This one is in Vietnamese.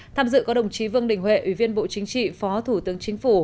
tham dự có đồng chí vương đình huệ ủy viên bộ chính trị phó thủ tướng chính phủ